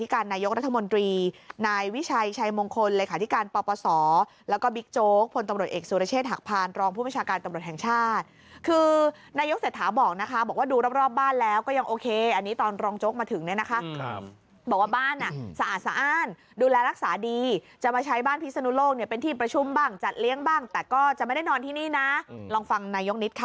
ของผู้ประชาการตำรวจแห่งชาติคือนายกเศรษฐาบอกนะคะบอกว่าดูรอบบ้านแล้วก็ยังโอเคอันนี้ตอนรองโจ๊กมาถึงเนี่ยนะคะบอกว่าบ้านสะอาดดูแลรักษาดีจะมาใช้บ้านพิษนุโลกเป็นที่ประชุมบ้างจัดเลี้ยงบ้างแต่ก็จะไม่ได้นอนที่นี่นะลองฟังนายกนิดค่ะ